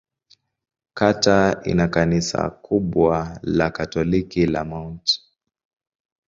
Kata ina kanisa kubwa la Katoliki la Mt.